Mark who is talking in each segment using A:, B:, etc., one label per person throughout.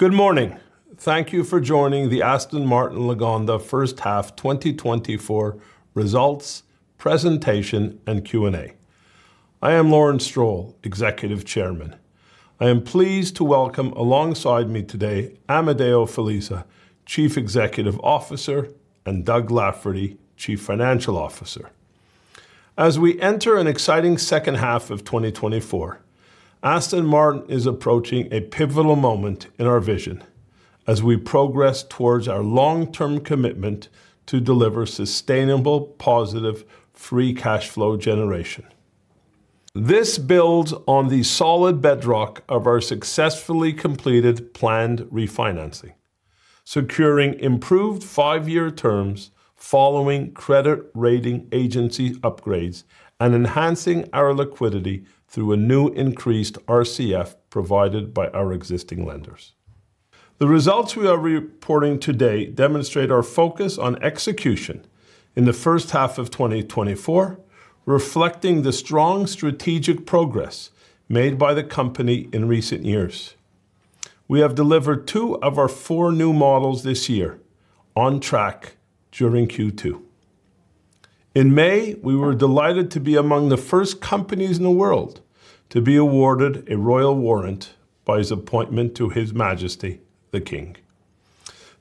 A: Good morning. Thank you for joining the Aston Martin Lagonda First Half 2024 results presentation and Q&A. I am Lawrence Stroll, Executive Chairman. I am pleased to welcome alongside me today Amedeo Felisa, Chief Executive Officer, and Doug Lafferty, Chief Financial Officer. As we enter an exciting second half of 2024, Aston Martin is approaching a pivotal moment in our vision as we progress towards our long-term commitment to deliver sustainable, positive, free cash flow generation. This builds on the solid bedrock of our successfully completed planned refinancing, securing improved five-year terms following credit rating agency upgrades and enhancing our liquidity through a new increased RCF provided by our existing lenders. The results we are reporting today demonstrate our focus on execution in the first half of 2024, reflecting the strong strategic progress made by the company in recent years. We have delivered two of our four new models this year, on track during Q2. In May, we were delighted to be among the first companies in the world to be awarded a Royal Warrant by His Appointment to His Majesty, the King.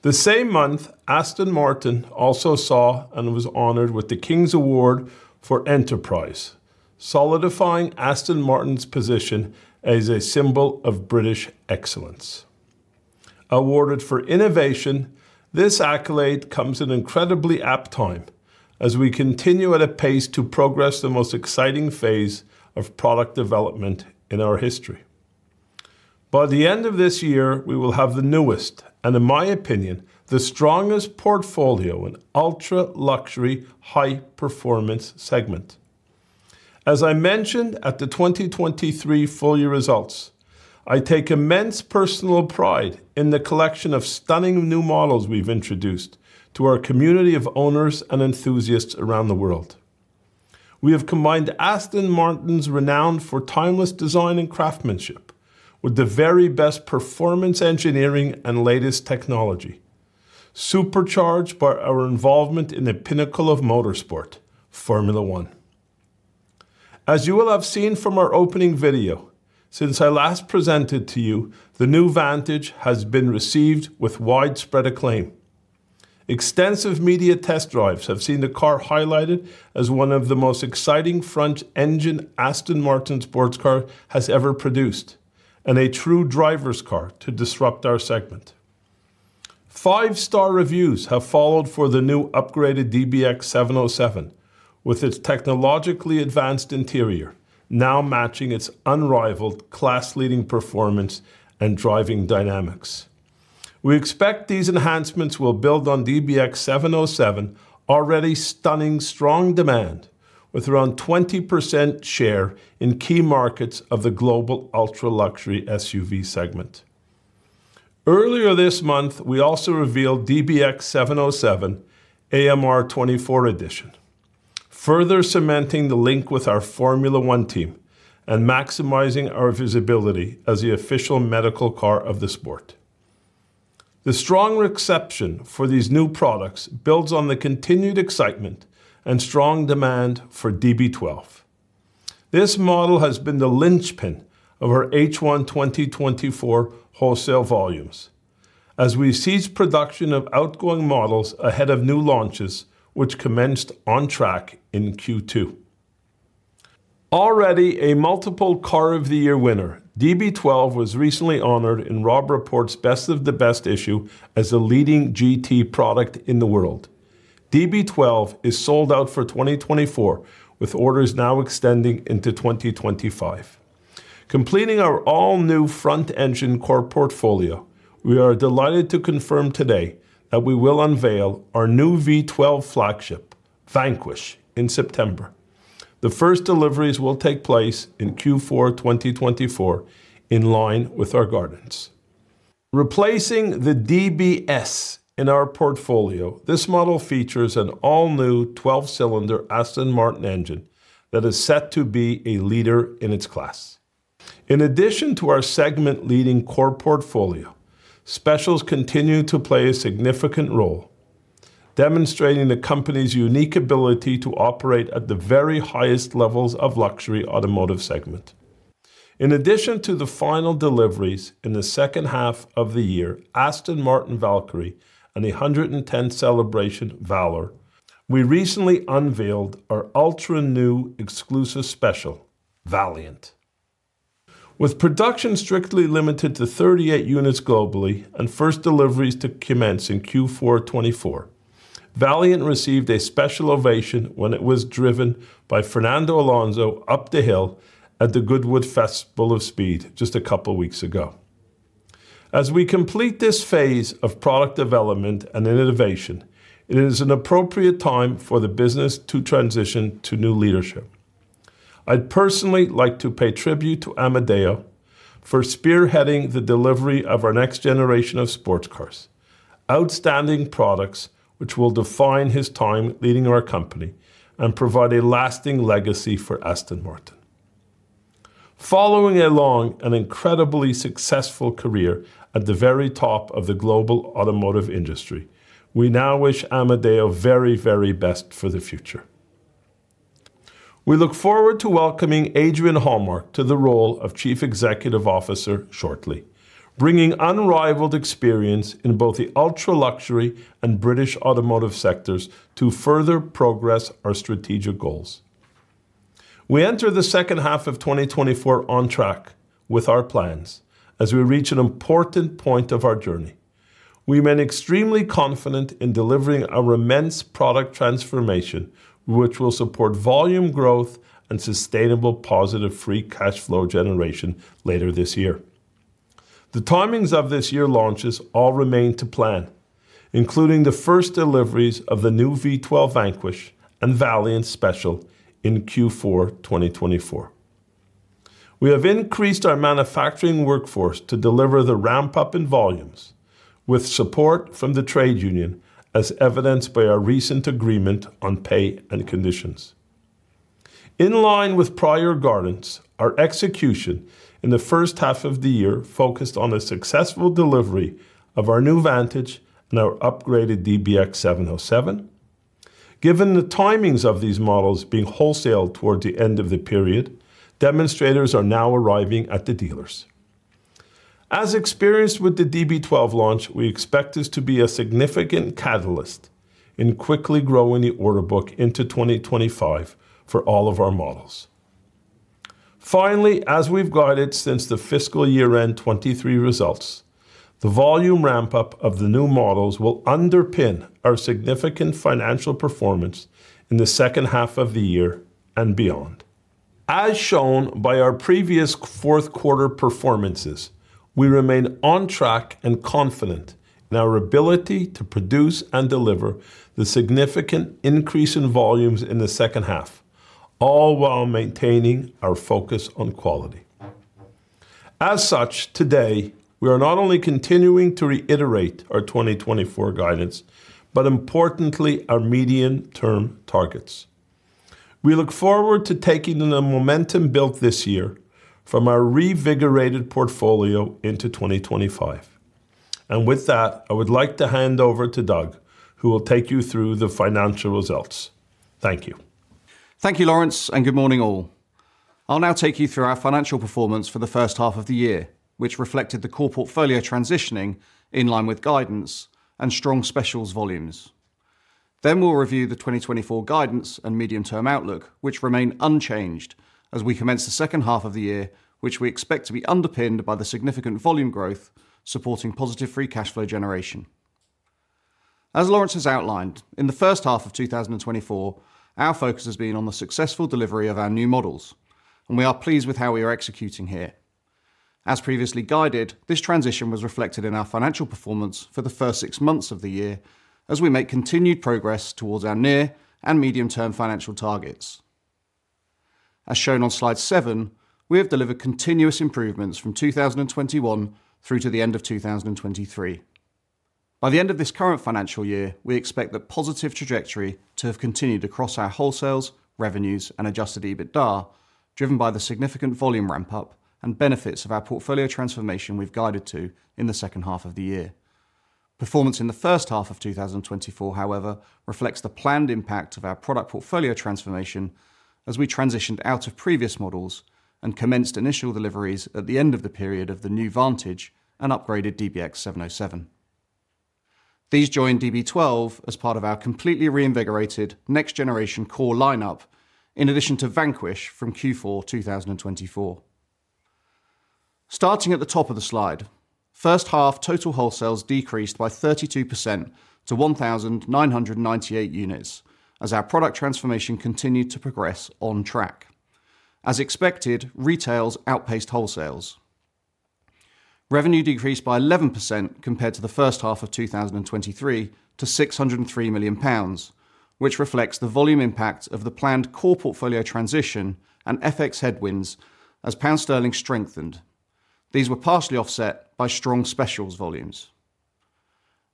A: The same month, Aston Martin also saw and was honored with the King's Award for Enterprise, solidifying Aston Martin's position as a symbol of British excellence. Awarded for innovation, this accolade comes at an incredibly apt time as we continue at a pace to progress the most exciting phase of product development in our history. By the end of this year, we will have the newest and, in my opinion, the strongest portfolio in ultra-luxury high-performance segment. As I mentioned at the 2023 full-year results, I take immense personal pride in the collection of stunning new models we've introduced to our community of owners and enthusiasts around the world. We have combined Aston Martin's renown for timeless design and craftsmanship with the very best performance engineering and latest technology, supercharged by our involvement in the pinnacle of motorsport, Formula One. As you will have seen from our opening video, since I last presented to you, the new Vantage has been received with widespread acclaim. Extensive media test drives have seen the car highlighted as one of the most exciting front-engine Aston Martin sports cars has ever produced, and a true driver's car to disrupt our segment. Five-star reviews have followed for the new upgraded DBX707, with its technologically advanced interior now matching its unrivaled class-leading performance and driving dynamics. We expect these enhancements will build on DBX707's already stunning strong demand, with around 20% share in key markets of the global ultra-luxury SUV segment. Earlier this month, we also revealed DBX707 AMR24 Edition, further cementing the link with our Formula 1 team and maximizing our visibility as the official medical car of the sport. The strong reception for these new products builds on the continued excitement and strong demand for DB12. This model has been the linchpin of our H1 2024 wholesale volumes as we cease production of outgoing models ahead of new launches, which commenced on track in Q2. Already a multiple Car of the Year winner, DB12 was recently honored in Robb Report's Best of the Best issue as a leading GT product in the world. DB12 is sold out for 2024, with orders now extending into 2025. Completing our all-new front-engine core portfolio, we are delighted to confirm today that we will unveil our new V12 flagship, Vanquish, in September. The first deliveries will take place in Q4 2024, in line with our guidance. Replacing the DBS in our portfolio, this model features an all-new 12-cylinder Aston Martin engine that is set to be a leader in its class. In addition to our segment-leading core portfolio, specials continue to play a significant role, demonstrating the company's unique ability to operate at the very highest levels of luxury automotive segment. In addition to the final deliveries in the second half of the year, Aston Martin Valkyrie and the 110th celebration, Valour, we recently unveiled our ultra-exclusive special, Valiant. With production strictly limited to 38 units globally and first deliveries to commence in Q4 2024, Valiant received a special ovation when it was driven by Fernando Alonso up the hill at the Goodwood Festival of Speed just a couple of weeks ago. As we complete this phase of product development and innovation, it is an appropriate time for the business to transition to new leadership. I'd personally like to pay tribute to Amedeo for spearheading the delivery of our next generation of sports cars, outstanding products which will define his time leading our company and provide a lasting legacy for Aston Martin. Following along an incredibly successful career at the very top of the global automotive industry, we now wish Amedeo very, very best for the future. We look forward to welcoming Adrian Hallmark to the role of Chief Executive Officer shortly, bringing unrivaled experience in both the ultra-luxury and British automotive sectors to further progress our strategic goals. We enter the second half of 2024 on track with our plans as we reach an important point of our journey. We remain extremely confident in delivering our immense product transformation, which will support volume growth and sustainable positive free cash flow generation later this year. The timings of this year's launches all remain to plan, including the first deliveries of the new V12 Vanquish and Valiant special in Q4 2024. We have increased our manufacturing workforce to deliver the ramp-up in volumes with support from the trade union, as evidenced by our recent agreement on pay and conditions. In line with prior guidance, our execution in the first half of the year focused on a successful delivery of our new Vantage and our upgraded DBX 707. Given the timings of these models being wholesaled toward the end of the period, demonstrators are now arriving at the dealers. As experienced with the DB12 launch, we expect this to be a significant catalyst in quickly growing the order book into 2025 for all of our models. Finally, as we've guided since the fiscal year-end 2023 results, the volume ramp-up of the new models will underpin our significant financial performance in the second half of the year and beyond. As shown by our previous fourth-quarter performances, we remain on track and confident in our ability to produce and deliver the significant increase in volumes in the second half, all while maintaining our focus on quality. As such, today, we are not only continuing to reiterate our 2024 guidance, but importantly, our medium-term targets. We look forward to taking the momentum built this year from our reinvigorated portfolio into 2025. And with that, I would like to hand over to Doug, who will take you through the financial results. Thank you.
B: Thank you, Lawrence, and good morning, all. I'll now take you through our financial performance for the first half of the year, which reflected the core portfolio transitioning in line with guidance and strong specials volumes. Then we'll review the 2024 guidance and medium-term outlook, which remain unchanged as we commence the second half of the year, which we expect to be underpinned by the significant volume growth supporting positive free cash flow generation. As Lawrence has outlined, in the first half of 2024, our focus has been on the successful delivery of our new models, and we are pleased with how we are executing here. As previously guided, this transition was reflected in our financial performance for the first six months of the year, as we make continued progress towards our near and medium-term financial targets. As shown on slide 7, we have delivered continuous improvements from 2021 through to the end of 2023. By the end of this current financial year, we expect the positive trajectory to have continued across our wholesales, revenues, and adjusted EBITDA, driven by the significant volume ramp-up and benefits of our portfolio transformation we've guided to in the second half of the year. Performance in the first half of 2024, however, reflects the planned impact of our product portfolio transformation as we transitioned out of previous models and commenced initial deliveries at the end of the period of the new Vantage and upgraded DBX 707. These join DB12 as part of our completely reinvigorated next-generation core lineup, in addition to Vanquish from Q4 2024. Starting at the top of the slide, first half total wholesales decreased by 32% to 1,998 units as our product transformation continued to progress on track. As expected, retails outpaced wholesales. Revenue decreased by 11% compared to the first half of 2023 to 603 million pounds, which reflects the volume impact of the planned core portfolio transition and FX headwinds as pound sterling strengthened. These were partially offset by strong specials volumes.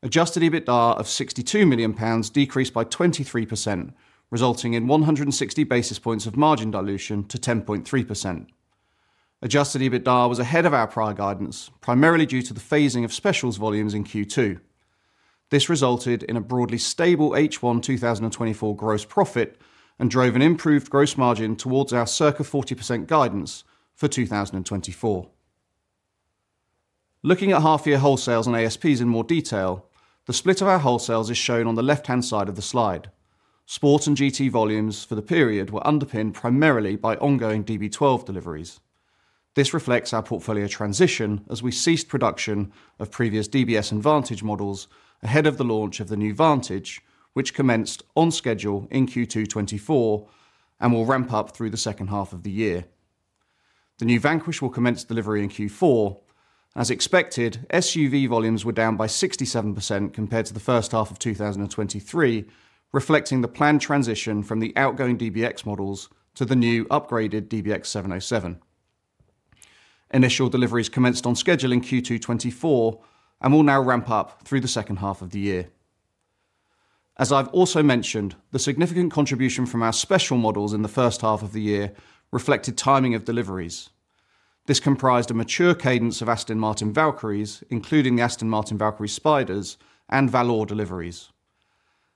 B: Adjusted EBITDA of GBP 62 million decreased by 23%, resulting in 160 basis points of margin dilution to 10.3%. Adjusted EBITDA was ahead of our prior guidance, primarily due to the phasing of specials volumes in Q2. This resulted in a broadly stable H1 2024 gross profit and drove an improved gross margin towards our circa 40% guidance for 2024. Looking at half-year wholesales and ASPs in more detail, the split of our wholesales is shown on the left-hand side of the slide. Sport and GT volumes for the period were underpinned primarily by ongoing DB12 deliveries. This reflects our portfolio transition as we ceased production of previous DBS and Vantage models ahead of the launch of the new Vantage, which commenced on schedule in Q2 2024 and will ramp up through the second half of the year. The new Vanquish will commence delivery in Q4. As expected, SUV volumes were down by 67% compared to the first half of 2023, reflecting the planned transition from the outgoing DBX models to the new upgraded DBX 707. Initial deliveries commenced on schedule in Q2 2024 and will now ramp up through the second half of the year. As I've also mentioned, the significant contribution from our special models in the first half of the year reflected timing of deliveries. This comprised a mature cadence of Aston Martin Valkyries, including the Aston Martin Valkyrie Spiders and Valor deliveries.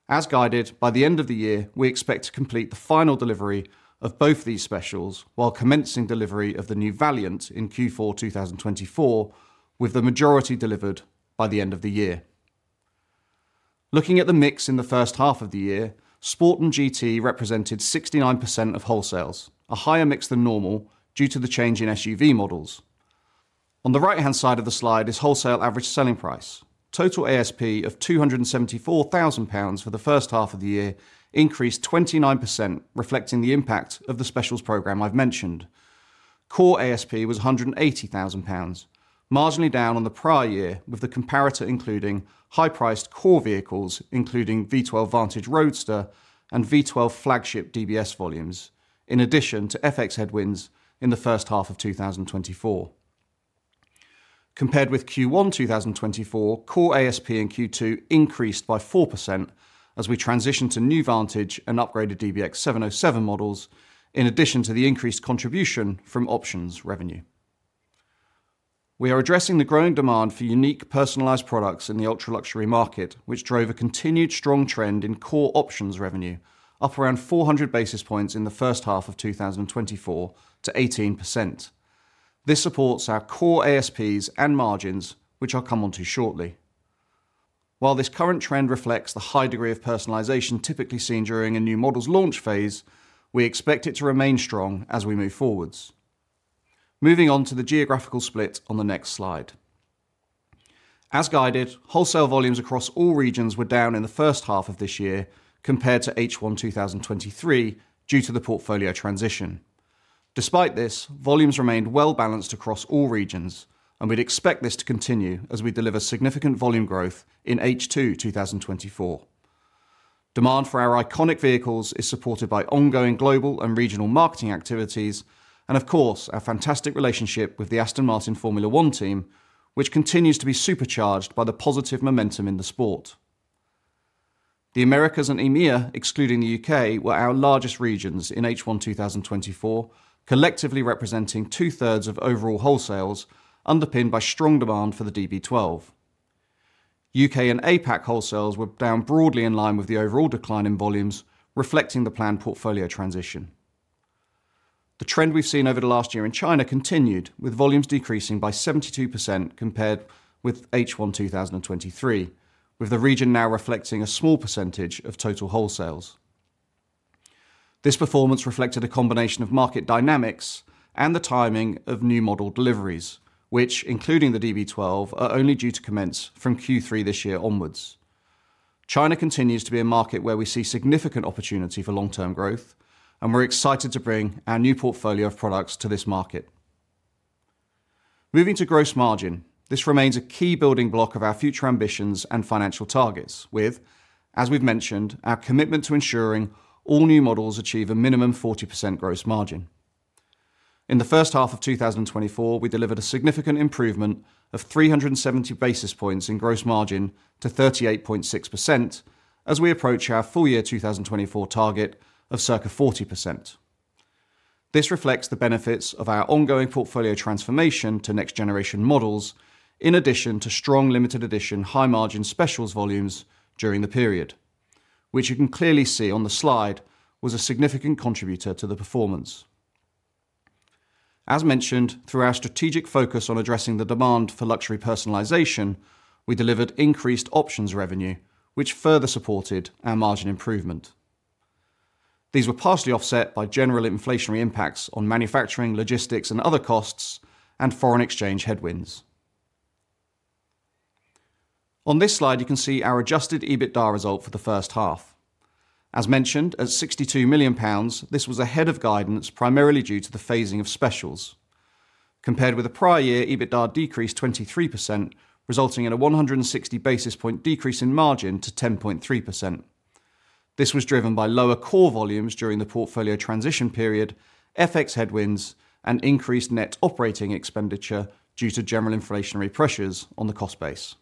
B: As guided, by the end of the year, we expect to complete the final delivery of both these specials while commencing delivery of the new Valiant in Q4 2024, with the majority delivered by the end of the year. Looking at the mix in the first half of the year, Sport and GT represented 69% of wholesales, a higher mix than normal due to the change in SUV models. On the right-hand side of the slide is wholesale average selling price. Total ASP of 274,000 pounds for the first half of the year increased 29%, reflecting the impact of the specials program I've mentioned. Core ASP was 180,000 pounds, marginally down on the prior year, with the comparator including high-priced core vehicles, including V12 Vantage Roadster and V12 flagship DBS volumes, in addition to FX headwinds in the first half of 2024. Compared with Q1 2024, core ASP in Q2 increased by 4% as we transitioned to new Vantage and upgraded DBX 707 models, in addition to the increased contribution from options revenue. We are addressing the growing demand for unique personalized products in the ultra-luxury market, which drove a continued strong trend in core options revenue, up around 400 basis points in the first half of 2024 to 18%. This supports our core ASPs and margins, which I'll come on to shortly. While this current trend reflects the high degree of personalization typically seen during a new model's launch phase, we expect it to remain strong as we move forward. Moving on to the geographical split on the next slide. As guided, wholesale volumes across all regions were down in the first half of this year compared to H1 2023 due to the portfolio transition. Despite this, volumes remained well-balanced across all regions, and we'd expect this to continue as we deliver significant volume growth in H2 2024. Demand for our iconic vehicles is supported by ongoing global and regional marketing activities, and of course, our fantastic relationship with the Aston Martin Formula One team, which continues to be supercharged by the positive momentum in the sport. The Americas and EMEA, excluding the U.K., were our largest regions in H1 2024, collectively representing two-thirds of overall wholesales, underpinned by strong demand for the DB12. UK and APAC wholesales were down broadly in line with the overall decline in volumes, reflecting the planned portfolio transition. The trend we've seen over the last year in China continued, with volumes decreasing by 72% compared with H1 2023, with the region now reflecting a small percentage of total wholesales. This performance reflected a combination of market dynamics and the timing of new model deliveries, which, including the DB12, are only due to commence from Q3 this year onwards. China continues to be a market where we see significant opportunity for long-term growth, and we're excited to bring our new portfolio of products to this market. Moving to gross margin, this remains a key building block of our future ambitions and financial targets, with, as we've mentioned, our commitment to ensuring all new models achieve a minimum 40% gross margin. In the first half of 2024, we delivered a significant improvement of 370 basis points in gross margin to 38.6% as we approach our full year 2024 target of circa 40%. This reflects the benefits of our ongoing portfolio transformation to next-generation models, in addition to strong limited-edition high-margin specials volumes during the period, which you can clearly see on the slide, was a significant contributor to the performance. As mentioned, through our strategic focus on addressing the demand for luxury personalization, we delivered increased options revenue, which further supported our margin improvement. These were partially offset by general inflationary impacts on manufacturing, logistics, and other costs, and foreign exchange headwinds. On this slide, you can see our Adjusted EBITDA result for the first half. As mentioned, at 62 million pounds, this was ahead of guidance primarily due to the phasing of specials. Compared with the prior year, EBITDA decreased 23%, resulting in a 160 basis point decrease in margin to 10.3%. This was driven by lower core volumes during the portfolio transition period, FX headwinds, and increased net operating expenditure due to general inflationary pressures on the cost base.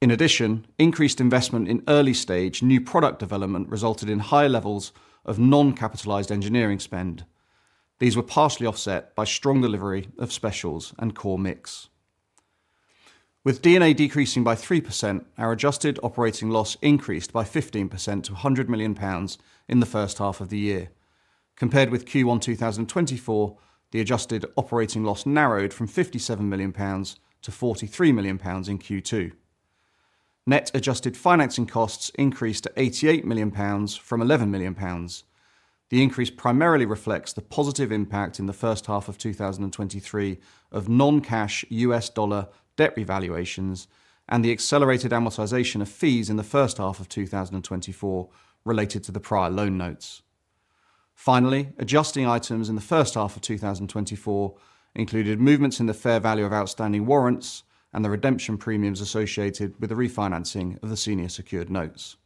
B: In addition, increased investment in early-stage new product development resulted in high levels of non-capitalized engineering spend. These were partially offset by strong delivery of specials and core mix. With EBITDA decreasing by 3%, our adjusted operating loss increased by 15% to 100 million pounds in the first half of the year. Compared with Q1 2024, the adjusted operating loss narrowed from 57 million pounds to 43 million pounds in Q2. Net adjusted financing costs increased to 88 million pounds from 11 million pounds. The increase primarily reflects the positive impact in the first half of 2023 of non-cash U.S. dollar debt revaluations and the accelerated amortization of fees in the first half of 2024 related to the prior loan notes. Finally, adjusting items in the first half of 2024 included movements in the fair value of outstanding warrants and the redemption premiums associated with the refinancing of the senior secured notes.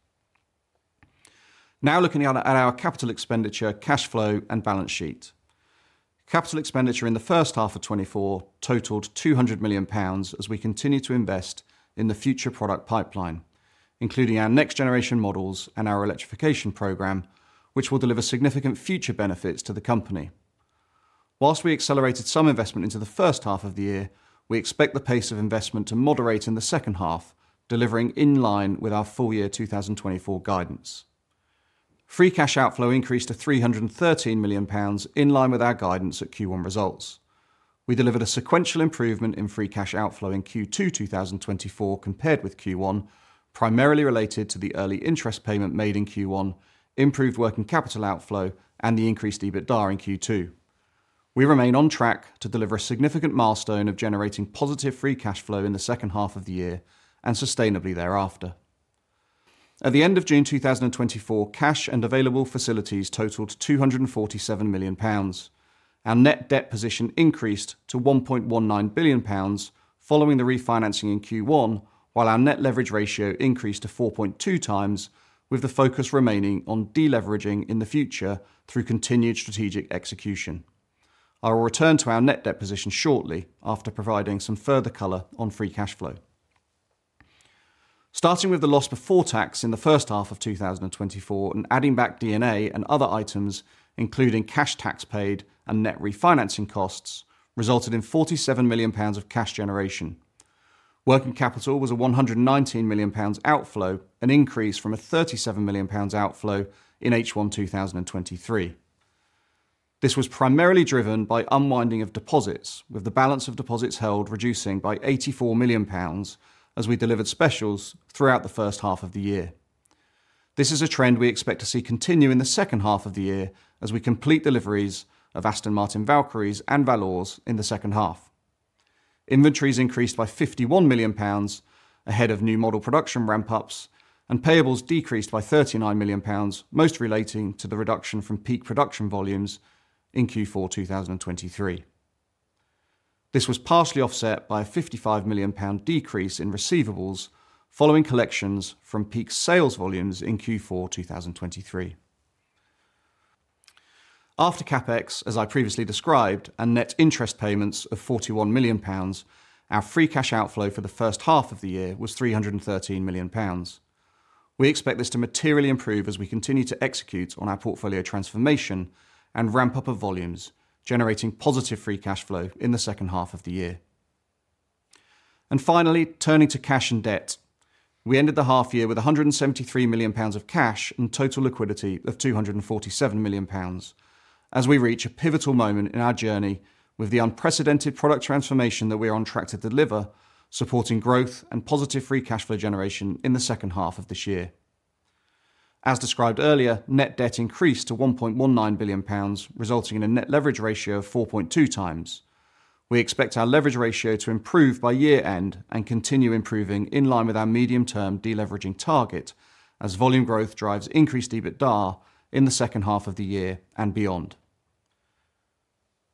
B: Now looking at our capital expenditure, cash flow, and balance sheet. Capital expenditure in the first half of 2024 totaled 200 million pounds as we continue to invest in the future product pipeline, including our next-generation models and our electrification program, which will deliver significant future benefits to the company. While we accelerated some investment into the first half of the year, we expect the pace of investment to moderate in the second half, delivering in line with our full year 2024 guidance. Free cash outflow increased to 313 million pounds in line with our guidance at Q1 results. We delivered a sequential improvement in free cash outflow in Q2 2024 compared with Q1, primarily related to the early interest payment made in Q1, improved working capital outflow, and the increased EBITDA in Q2. We remain on track to deliver a significant milestone of generating positive free cash flow in the second half of the year and sustainably thereafter. At the end of June 2024, cash and available facilities totaled 247 million pounds. Our net debt position increased to 1.19 billion pounds following the refinancing in Q1, while our net leverage ratio increased to 4.2x, with the focus remaining on deleveraging in the future through continued strategic execution. I will return to our net debt position shortly after providing some further color on free cash flow. Starting with the loss before tax in the first half of 2024 and adding back EBITDA and other items, including cash tax paid and net refinancing costs, resulted in 47 million pounds of cash generation. Working capital was a 119 million pounds outflow, an increase from a 37 million pounds outflow in H1 2023. This was primarily driven by unwinding of deposits, with the balance of deposits held reducing by 84 million pounds as we delivered specials throughout the first half of the year. This is a trend we expect to see continue in the second half of the year as we complete deliveries of Aston Martin Valkyries and Valors in the second half. Inventories increased by 51 million pounds ahead of new model production ramp-ups, and payables decreased by 39 million pounds, most relating to the reduction from peak production volumes in Q4 2023. This was partially offset by a 55 million pound decrease in receivables following collections from peak sales volumes in Q4 2023. After CapEx, as I previously described, and net interest payments of 41 million pounds, our free cash outflow for the first half of the year was 313 million pounds. We expect this to materially improve as we continue to execute on our portfolio transformation and ramp-up of volumes, generating positive free cash flow in the second half of the year. Finally, turning to cash and debt, we ended the half year with 173 million pounds of cash and total liquidity of 247 million pounds as we reach a pivotal moment in our journey with the unprecedented product transformation that we are on track to deliver, supporting growth and positive free cash flow generation in the second half of this year. As described earlier, net debt increased to GBP 1.19 billion, resulting in a net leverage ratio of 4.2 times. We expect our leverage ratio to improve by year-end and continue improving in line with our medium-term deleveraging target as volume growth drives increased EBITDA in the second half of the year and beyond.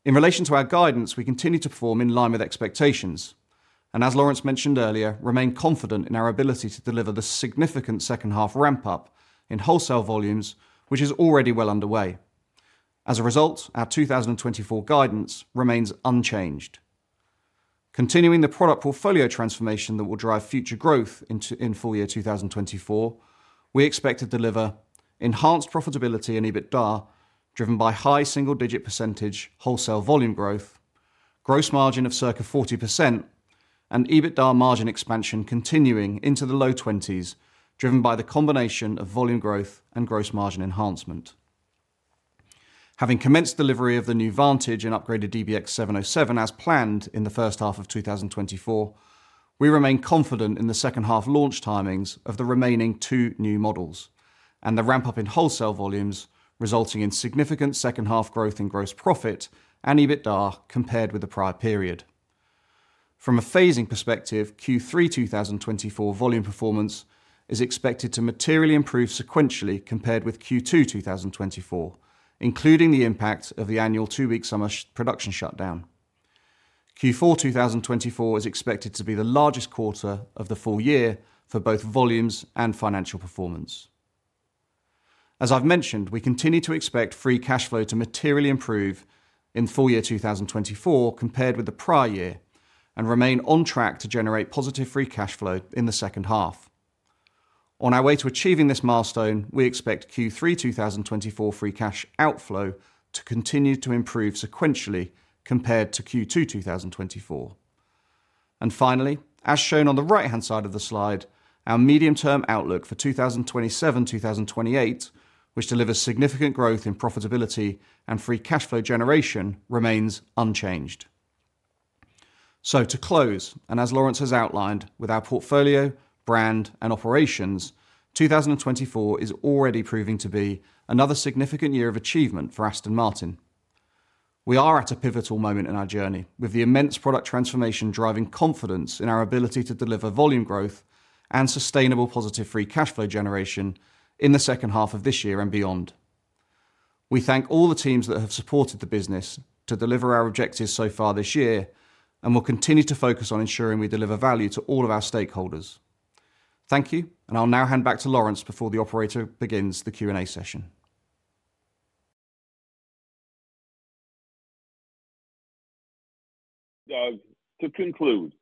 B: In relation to our guidance, we continue to perform in line with expectations, and as Lawrence mentioned earlier, remain confident in our ability to deliver the significant second-half ramp-up in wholesale volumes, which is already well underway. As a result, our 2024 guidance remains unchanged. Continuing the product portfolio transformation that will drive future growth in full year 2024, we expect to deliver enhanced profitability in EBITDA driven by high single-digit percentage wholesale volume growth, gross margin of circa 40%, and EBITDA margin expansion continuing into the low 20s, driven by the combination of volume growth and gross margin enhancement. Having commenced delivery of the new Vantage and upgraded DBX 707 as planned in the first half of 2024, we remain confident in the second-half launch timings of the remaining two new models and the ramp-up in wholesale volumes, resulting in significant second-half growth in gross profit and EBITDA compared with the prior period. From a phasing perspective, Q3 2024 volume performance is expected to materially improve sequentially compared with Q2 2024, including the impact of the annual two-week summer production shutdown. Q4 2024 is expected to be the largest quarter of the full year for both volumes and financial performance. As I've mentioned, we continue to expect free cash flow to materially improve in full year 2024 compared with the prior year and remain on track to generate positive free cash flow in the second half. On our way to achieving this milestone, we expect Q3 2024 free cash outflow to continue to improve sequentially compared to Q2 2024. And finally, as shown on the right-hand side of the slide, our medium-term outlook for 2027-2028, which delivers significant growth in profitability and free cash flow generation, remains unchanged. So to close, and as Lawrence has outlined, with our portfolio, brand, and operations, 2024 is already proving to be another significant year of achievement for Aston Martin. We are at a pivotal moment in our journey, with the immense product transformation driving confidence in our ability to deliver volume growth and sustainable positive free cash flow generation in the second half of this year and beyond. We thank all the teams that have supported the business to deliver our objectives so far this year and will continue to focus on ensuring we deliver value to all of our stakeholders. Thank you, and I'll now hand back to Lawrence before the operator begins the Q&A session.
A: Doug, to conclude,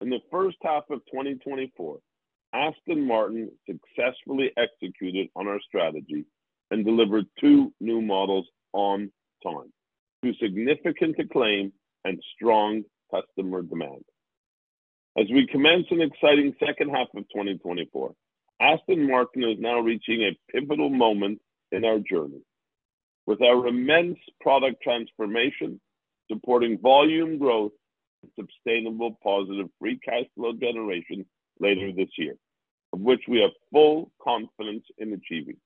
A: in the first half of 2024, Aston Martin successfully executed on our strategy and delivered two new models on time, to significant acclaim and strong customer demand. As we commence an exciting second half of 2024, Aston Martin is now reaching a pivotal moment in our journey, with our immense product transformation supporting volume growth and sustainable positive free cash flow generation later this year, of which we have full confidence in achieving.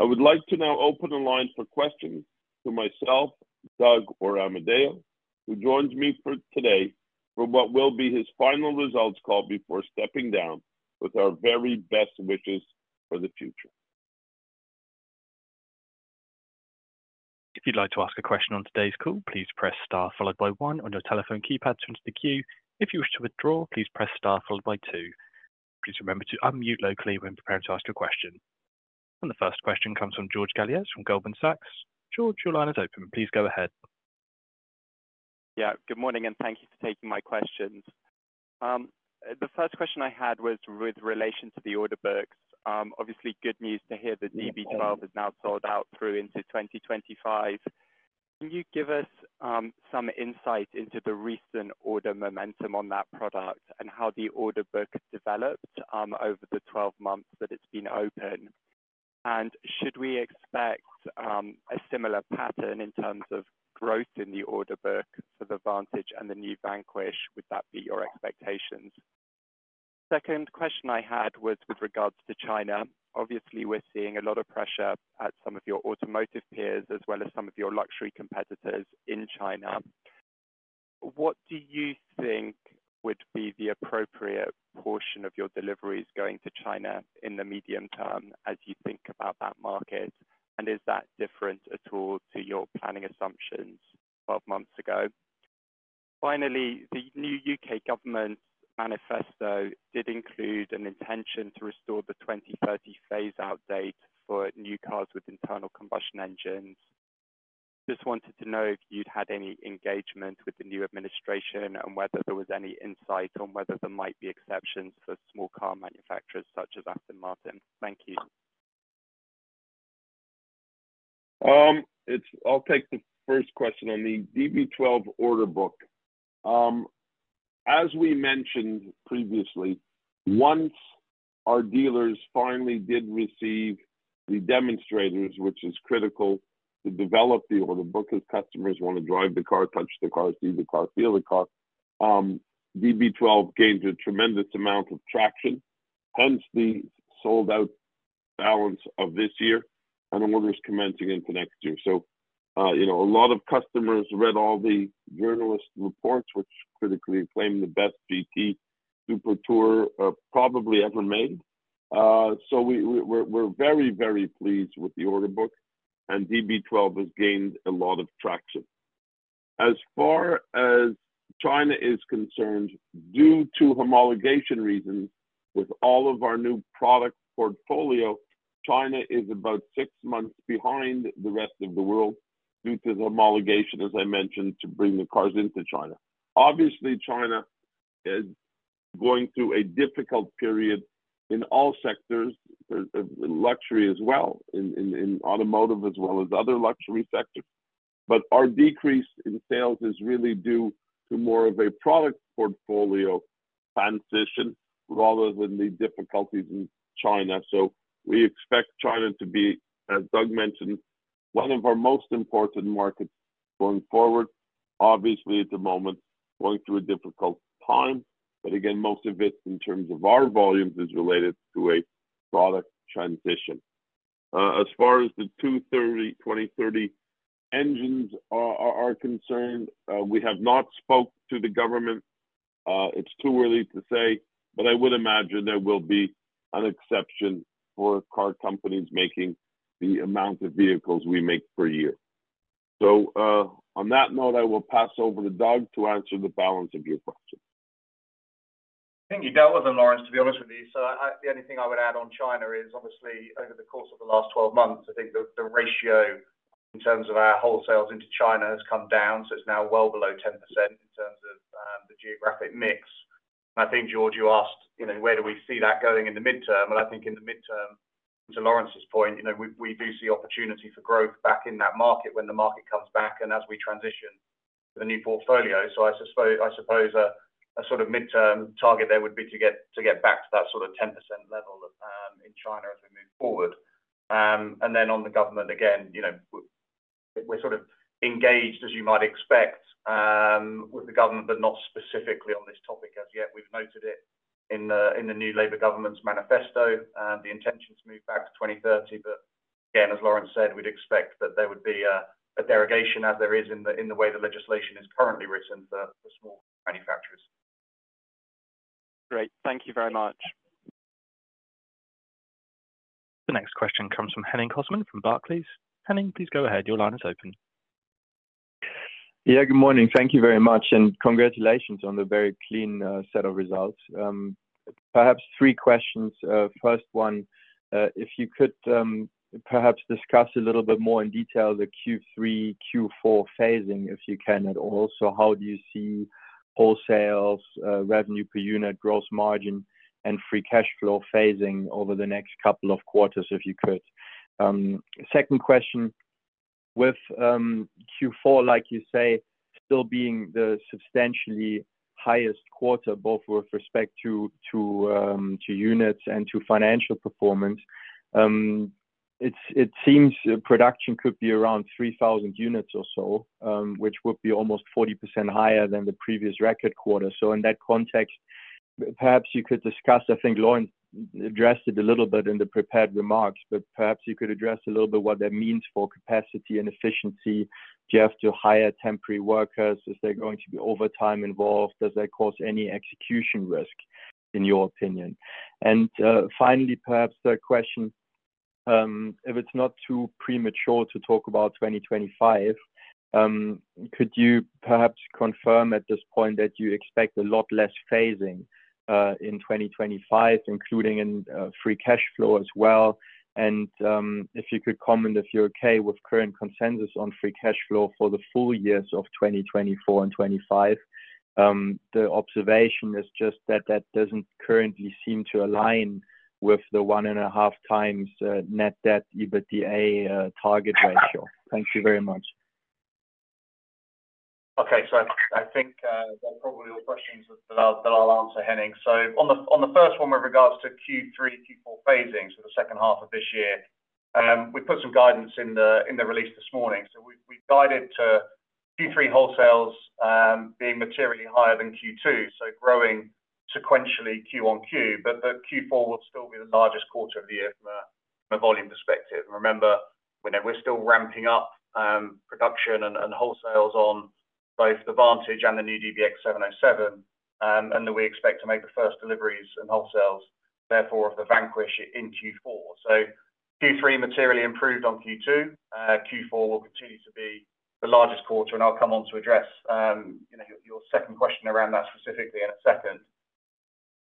A: I would like to now open the line for questions to myself, Doug Lafferty, who joins me today for what will be his final results call before stepping down, with our very best wishes for the future.
C: If you'd like to ask a question on today's call, please press star followed by one on your telephone keypad to enter the queue. If you wish to withdraw, please press star followed by two. And please remember to unmute locally when preparing to ask your question. And the first question comes from George Galliers from Goldman Sachs. George, your line is open. Please go ahead.
D: Yeah, good morning, and thank you for taking my questions. The first question I had was with relation to the order books. Obviously, good news to hear that DB12 has now sold out through into 2025. Can you give us some insight into the recent order momentum on that product and how the order book developed over the 12 months that it's been open? And should we expect a similar pattern in terms of growth in the order book for the Vantage and the new Vanquish? Would that be your expectations? The second question I had was with regards to China. Obviously, we're seeing a lot of pressure at some of your automotive peers as well as some of your luxury competitors in China. What do you think would be the appropriate portion of your deliveries going to China in the medium term as you think about that market? Is that different at all to your planning assumptions 12 months ago? Finally, the new U.K. government manifesto did include an intention to restore the 2030 phase-out date for new cars with internal combustion engines. Just wanted to know if you'd had any engagement with the new administration and whether there was any insight on whether there might be exceptions for small car manufacturers such as Aston Martin. Thank you.
A: I'll take the first question on the DB12 order book. As we mentioned previously, once our dealers finally did receive the demonstrators, which is critical to develop the order book as customers want to drive the car, touch the car, see the car, feel the car, DB12 gained a tremendous amount of traction. Hence, the sold-out balance of this year and orders commencing into next year. So a lot of customers read all the journalists' reports, which critically claim the best GT super tourer probably ever made. So we're very, very pleased with the order book, and DB12 has gained a lot of traction. As far as China is concerned, due to homologation reasons, with all of our new product portfolio, China is about 6 months behind the rest of the world due to the homologation, as I mentioned, to bring the cars into China. Obviously, China is going through a difficult period in all sectors, luxury as well, in automotive as well as other luxury sectors. But our decrease in sales is really due to more of a product portfolio transition rather than the difficulties in China. So we expect China to be, as Doug mentioned, one of our most important markets going forward. Obviously, at the moment, going through a difficult time. But again, most of it in terms of our volumes is related to a product transition. As far as the 2030 engines are concerned, we have not spoken to the government. It's too early to say, but I would imagine there will be an exception for car companies making the amount of vehicles we make per year. So on that note, I will pass over to Doug to answer the balance of your questions.
B: Thank you. As Lawrence, to be honest with you. So the only thing I would add on China is, obviously, over the course of the last 12 months, I think the ratio in terms of our wholesales into China has come down. So it's now well below 10% in terms of the geographic mix. And I think, George, you asked, where do we see that going in the medium term? And I think in the midterm, to Lawrence's point, we do see opportunity for growth back in that market when the market comes back and as we transition to the new portfolio. So I suppose a sort of midterm target there would be to get back to that sort of 10% level in China as we move forward. And then on the government, again, we're sort of engaged, as you might expect, with the government, but not specifically on this topic as yet. We've noted it in the new Labour Government's manifesto and the intention to move back to 2030. But again, as Lawrence said, we'd expect that there would be a derogation as there is in the way the legislation is currently written for small manufacturers.
D: Great. Thank you very much.
C: The next question comes from Henning Cosman from Barclays. Henning, please go ahead. Your line is open.
E: Yeah, good morning. Thank you very much. And congratulations on the very clean set of results. Perhaps three questions. First one, if you could perhaps discuss a little bit more in detail the Q3, Q4 phasing, if you can at all. So how do you see wholesales, revenue per unit, gross margin, and free cash flow phasing over the next couple of quarters, if you could? Second question, with Q4, like you say, still being the substantially highest quarter, both with respect to units and to financial performance, it seems production could be around 3,000 units or so, which would be almost 40% higher than the previous record quarter. So in that context, perhaps you could discuss, I think Lawrence addressed it a little bit in the prepared remarks, but perhaps you could address a little bit what that means for capacity and efficiency. Do you have to hire temporary workers? Is there going to be overtime involved? Does that cause any execution risk, in your opinion? And finally, perhaps third question, if it's not too premature to talk about 2025, could you perhaps confirm at this point that you expect a lot less phasing in 2025, including in free cash flow as well? And if you could comment if you're okay with current consensus on free cash flow for the full years of 2024 and 2025. The observation is just that that doesn't currently seem to align with the one and a half times net debt EBITDA target ratio. Thank you very much.
A: Okay. So I think they're probably all questions that I'll answer, Henning. So on the first one with regards to Q3, Q4 phasing for the second half of this year, we put some guidance in the release this morning. So we've guided to Q3 wholesales being materially higher than Q2, so growing sequentially Q on Q. But the Q4 will still be the largest quarter of the year from a volume perspective. And remember, we're still ramping up production and wholesales on both the Vantage and the new DBX 707, and we expect to make the first deliveries in wholesales, therefore of the Vanquish in Q4. So Q3 materially improved on Q2. Q4 will continue to be the largest quarter. And I'll come on to address your second question around that specifically in a second.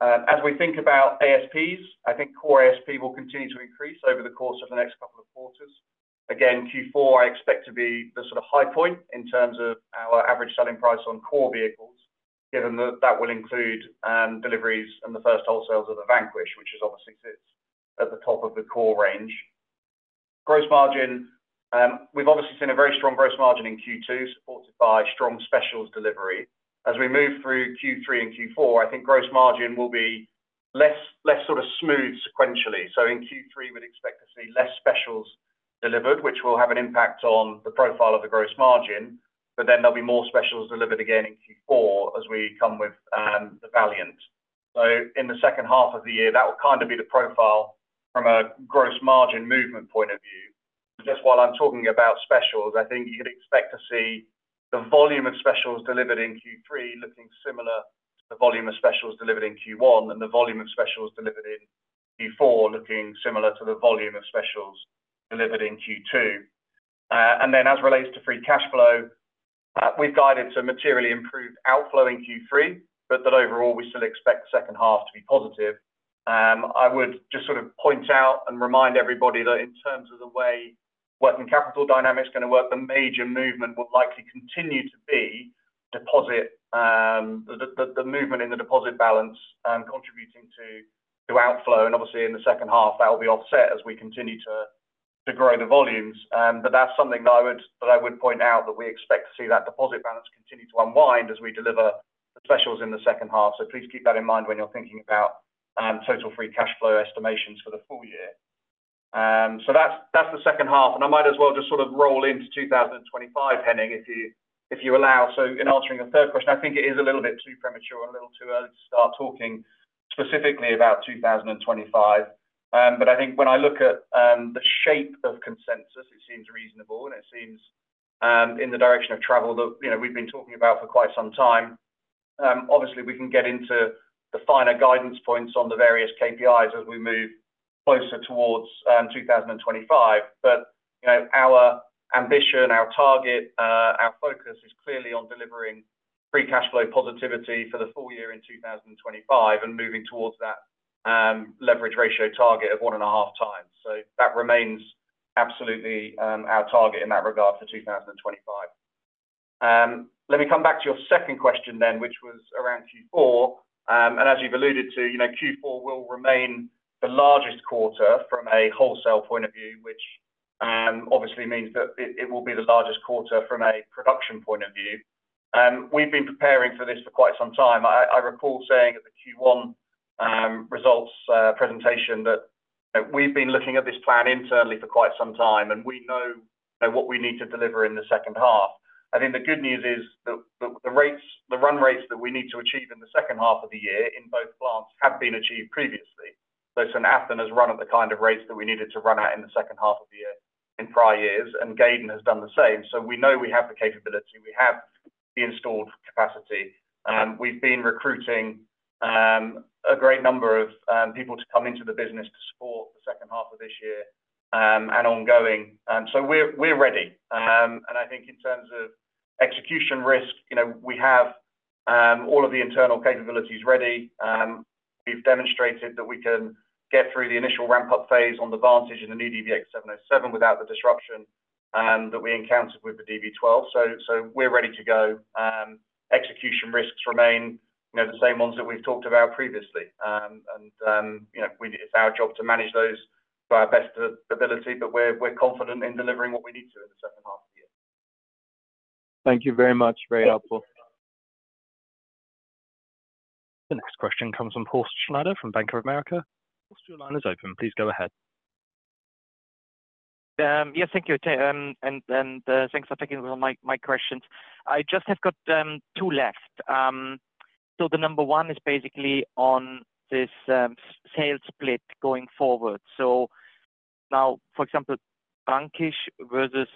A: As we think about ASPs, I think core ASP will continue to increase over the course of the next couple of quarters. Again, Q4, I expect to be the sort of high point in terms of our average selling price on core vehicles, given that that will include deliveries and the first wholesales of the Vanquish, which is obviously at the top of the core range. Gross margin, we've obviously seen a very strong gross margin in Q2, supported by strong specials delivery. As we move through Q3 and Q4, I think gross margin will be less sort of smooth sequentially. So in Q3, we'd expect to see less specials delivered, which will have an impact on the profile of the gross margin. But then there'll be more specials delivered again in Q4 as we come with the Valiant. So in the second half of the year, that will kind of be the profile from a gross margin movement point of view. Just while I'm talking about specials, I think you could expect to see the volume of specials delivered in Q3 looking similar to the volume of specials delivered in Q1 and the volume of specials delivered in Q4 looking similar to the volume of specials delivered in Q2. And then as it relates to free cash flow, we've guided to materially improved outflow in Q3, but that overall, we still expect the second half to be positive. I would just sort of point out and remind everybody that in terms of the way working capital dynamics are going to work, the major movement will likely continue to be the movement in the deposit balance contributing to outflow. And obviously, in the second half, that will be offset as we continue to grow the volumes. But that's something that I would point out that we expect to see that deposit balance continue to unwind as we deliver the specials in the second half. So please keep that in mind when you're thinking about total free cash flow estimations for the full year. So that's the second half. And I might as well just sort of roll into 2025, Henning, if you allow. So in answering your third question, I think it is a little bit too premature, a little too early to start talking specifically about 2025. But I think when I look at the shape of consensus, it seems reasonable, and it seems in the direction of travel that we've been talking about for quite some time. Obviously, we can get into the finer guidance points on the various KPIs as we move closer towards 2025. But our ambition, our target, our focus is clearly on delivering free cash flow positivity for the full year in 2025 and moving towards that leverage ratio target of 1.5x. So that remains absolutely our target in that regard for 2025. Let me come back to your second question then, which was around Q4. And as you've alluded to, Q4 will remain the largest quarter from a wholesale point of view, which obviously means that it will be the largest quarter from a production point of view. We've been preparing for this for quite some time. I recall saying at the Q1 results presentation that we've been looking at this plan internally for quite some time, and we know what we need to deliver in the second half. I think the good news is that the run rates that we need to achieve in the second half of the year in both plants have been achieved previously. So St Athan has run at the kind of rates that we needed to run at in the second half of the year in prior years, and Gaydon has done the same. So we know we have the capability. We have the installed capacity. We've been recruiting a great number of people to come into the business to support the second half of this year and ongoing. So we're ready. And I think in terms of execution risk, we have all of the internal capabilities ready. We've demonstrated that we can get through the initial ramp-up phase on the Vantage and the new DBX 707 without the disruption that we encountered with the DB12. So we're ready to go. Execution risks remain the same ones that we've talked about previously. It's our job to manage those to our best ability, but we're confident in delivering what we need to in the second half of the year.
E: Thank you very much. Very helpful.
C: The next question comes from Paul Schneider from Bank of America. Paul Schneider is open. Please go ahead.
F: Yes, thank you. Thanks for taking my questions. I just have got two left. The number one is basically on this sales split going forward. Now, for example, Vanquish versus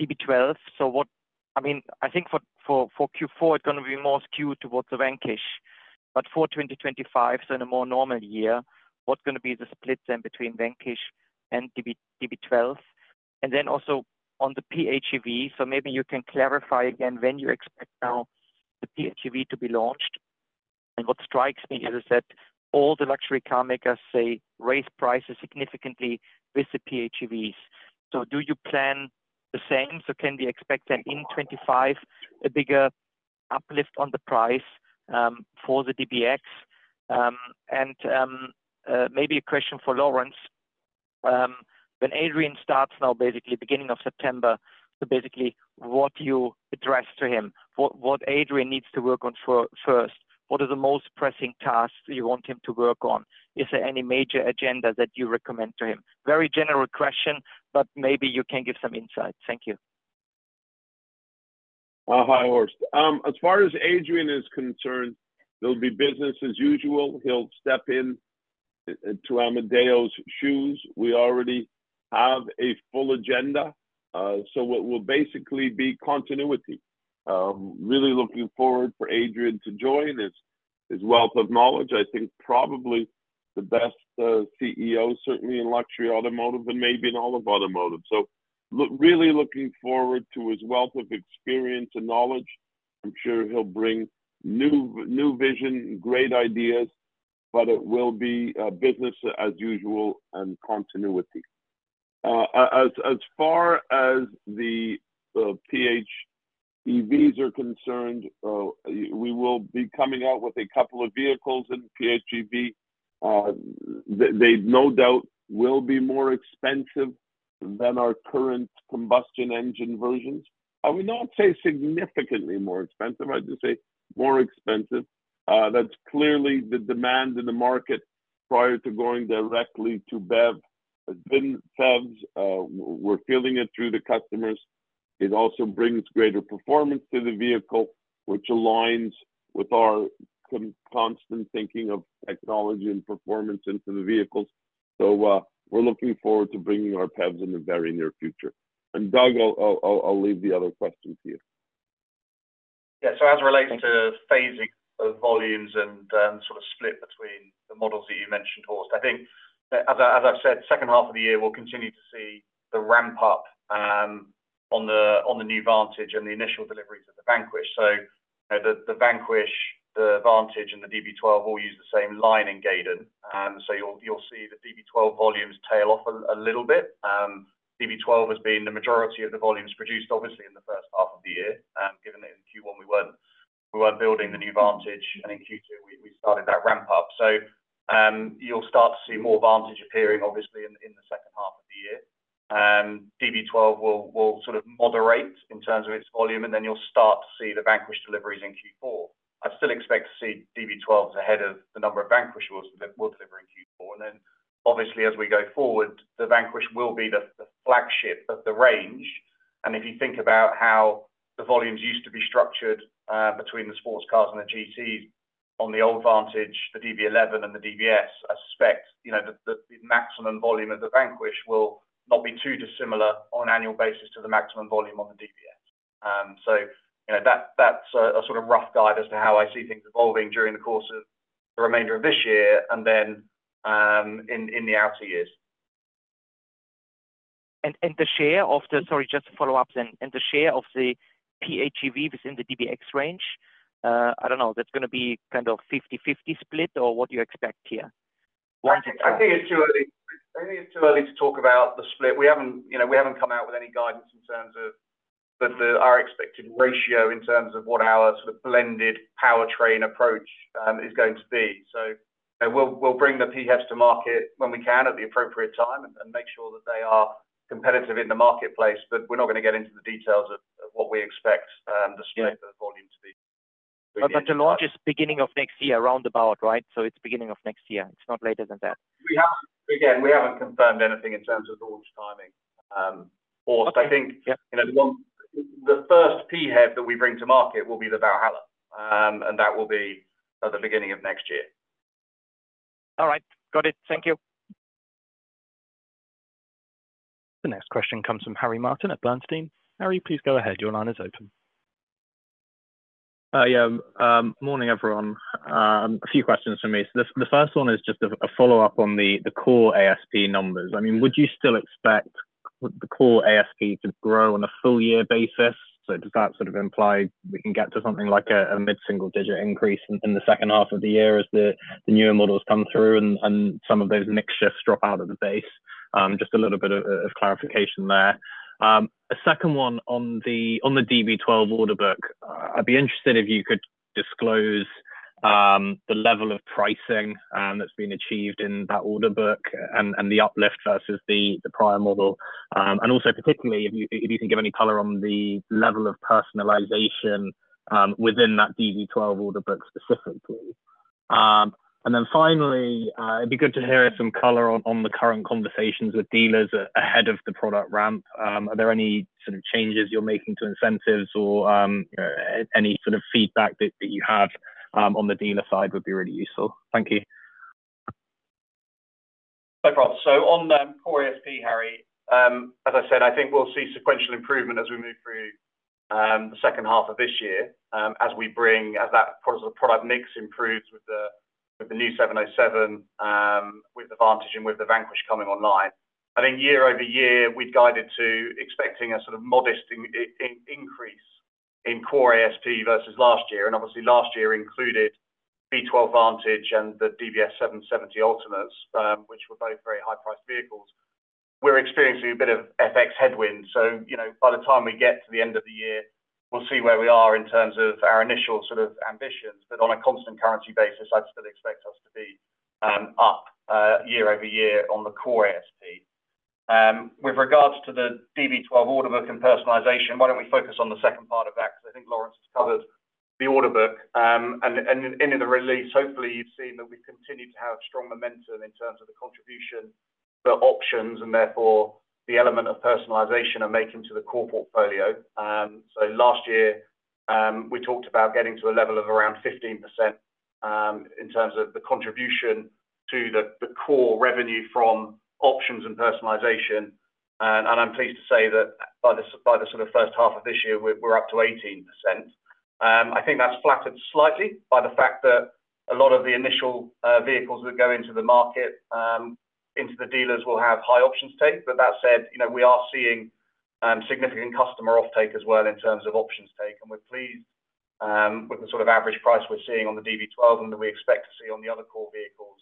F: DB12. I mean, I think for Q4, it's going to be more skewed towards the Vanquish. But for 2025, so in a more normal year, what's going to be the split then between Vanquish and DB12? And then also on the PHEV, so maybe you can clarify again when you expect now the PHEV to be launched. And what strikes me is that all the luxury car makers say raised prices significantly with the PHEVs. So do you plan the same? So can we expect then in 2025 a bigger uplift on the price for the DBX? And maybe a question for Lawrence. When Adrian starts now, basically beginning of September, so basically what do you address to him? What Adrian needs to work on first? What are the most pressing tasks you want him to work on? Is there any major agenda that you recommend to him? Very general question, but maybe you can give some insight. Thank you.
A: Hi, Lawrence. As far as Adrian is concerned, there'll be business as usual. He'll step into Amedeo's shoes. We already have a full agenda. So it will basically be continuity. Really looking forward for Adrian to join his wealth of knowledge. I think probably the best CEO, certainly in luxury automotive and maybe in all of automotive. So really looking forward to his wealth of knowledge. I'm sure he'll bring new vision, great ideas, but it will be business as usual and continuity. As far as the PHEVs are concerned, we will be coming out with a couple of vehicles in PHEV. They no doubt will be more expensive than our current combustion engine versions. I would not say significantly more expensive. I'd just say more expensive. That's clearly the demand in the market prior to going directly to BEV. It's been PHEVs. We're feeling it through the customers. It also brings greater performance to the vehicle, which aligns with our constant thinking of technology and performance into the vehicles. So we're looking forward to bringing our PEVs in the very near future. And Doug, I'll leave the other questions here.
B: Yeah. So as it relates to phasing of volumes and sort of split between the models that you mentioned, Horst, I think, as I've said, second half of the year, we'll continue to see the ramp-up on the new Vantage and the initial deliveries of the Vanquish. So the Vanquish, the Vantage, and the DB12 all use the same line in Gaydon. So you'll see the DB12 volumes tail off a little bit. DB12 has been the majority of the volumes produced, obviously, in the first half of the year, given that in Q1 we weren't building the new Vantage, and in Q2 we started that ramp-up. So you'll start to see more Vantage appearing, obviously, in the second half of the year. DB12 will sort of moderate in terms of its volume, and then you'll start to see the Vanquish deliveries in Q4. I still expect to see DB12s ahead of the number of Vanquish we'll deliver in Q4. And then obviously, as we go forward, the Vanquish will be the flagship of the range. And if you think about how the volumes used to be structured between the sports cars and the GTs on the old Vantage, the DB11, and the DBS, I suspect the maximum volume of the Vanquish will not be too dissimilar on an annual basis to the maximum volume on the DBS. So that's a sort of rough guide as to how I see things evolving during the course of the remainder of this year and then in the outer years. Sorry, just to follow up—and the share of the PHEVs in the DBX range, I don't know. That's going to be kind of 50/50 split or what do you expect here? I think it's too early. I think it's too early to talk about the split. We haven't come out with any guidance in terms of our expected ratio in terms of what our sort of blended powertrain approach is going to be. So we'll bring the PHEVs to market when we can at the appropriate time and make sure that they are competitive in the marketplace. But we're not going to get into the details of what we expect the split of volume to be.
A: But the launch is beginning of next year, roundabout, right? So it's beginning of next year. It's not later than that. Again, we haven't confirmed anything in terms of launch timing. Horst, I think the first PF that we bring to market will be the Valhalla, and that will be at the beginning of next year.
C: All right. Got it. Thank you. The next question comes from Harry Martin at Bernstein. Harry, please go ahead. Your line is open.
G: Yeah. Morning, everyone. A few questions for me. So the first one is just a follow-up on the core ASP numbers. I mean, would you still expect the core ASP to grow on a full-year basis? So does that sort of imply we can get to something like a mid-single-digit increase in the second half of the year as the newer models come through and some of those mixtures drop out of the base? Just a little bit of clarification there. A second one on the DB12 order book. I'd be interested if you could disclose the level of pricing that's been achieved in that order book and the uplift versus the prior model. Also particularly if you can give any color on the level of personalization within that DB12 order book specifically. Then finally, it'd be good to hear some color on the current conversations with dealers ahead of the product ramp. Are there any sort of changes you're making to incentives or any sort of feedback that you have on the dealer side would be really useful? Thank you.
B: No problem. So on core ASP, Harry, as I said, I think we'll see sequential improvement as we move through the second half of this year as that product mix improves with the new 707, with the Vantage, and with the Vanquish coming online. I think year-over-year, we'd guide it to expecting a sort of modest increase in core ASP versus last year. Obviously, last year included V12 Vantage and the DBS 770 Ultimates, which were both very high-priced vehicles. We're experiencing a bit of FX headwind. By the time we get to the end of the year, we'll see where we are in terms of our initial sort of ambitions. On a constant currency basis, I'd still expect us to be up year-over-year on the core ASP. With regards to the DB12 order book and personalization, why don't we focus on the second part of that? Because I think Lawrence has covered the order book. And in the release, hopefully, you've seen that we've continued to have strong momentum in terms of the contribution, the options, and therefore the element of personalization and making to the core portfolio. So last year, we talked about getting to a level of around 15% in terms of the contribution to the core revenue from options and personalization. And I'm pleased to say that by the sort of first half of this year, we're up to 18%. I think that's flattered slightly by the fact that a lot of the initial vehicles that go into the market, into the dealers, will have high options take. But that said, we are seeing significant customer offtake as well in terms of options take. We're pleased with the sort of average price we're seeing on the DB12 and that we expect to see on the other core vehicles